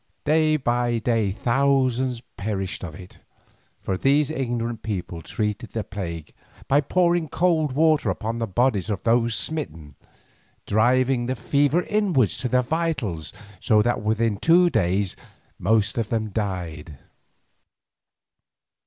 Day by day thousands perished of it, for these ignorant people treated the plague by pouring cold water upon the bodies of those smitten, driving the fever inwards to the vitals, so that within two days the most of them died.